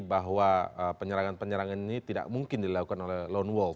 bahwa penyerangan penyerangan ini tidak mungkin dilakukan oleh lone wolf